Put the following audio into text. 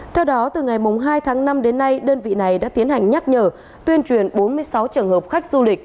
theo đó từ ngày hai tháng năm đến nay đơn vị này đã tiến hành nhắc nhở tuyên truyền bốn mươi sáu trường hợp khách du lịch